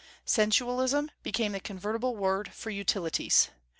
Sensualism became the convertible word for utilities.